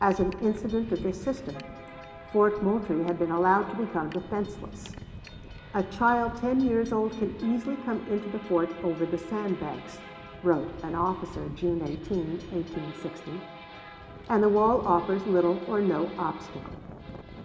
As an incident of this system, Fort Moultrie had been allowed to become defenseless. "A child ten years old can easily come into the fort over the sand banks," wrote an officer June 18, 1860, "and the wall offers little or no obstacle."